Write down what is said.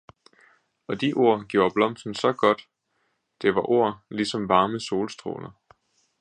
Og de ord gjorde blomsten så godt, det var ord ligesom varme solstråler.